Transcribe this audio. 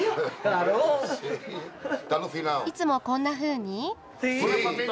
いつもこんなふうに？